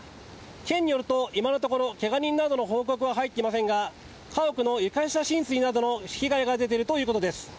県によると今のところけが人などの報告は入っていませんが家屋の床下浸水などの被害が出ているということです。